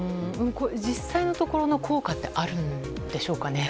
実際のところの効果はあるんでしょうかね？